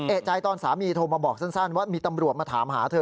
เอกใจตอนสามีโทรมาบอกสั้นว่ามีตำรวจมาถามหาเธอ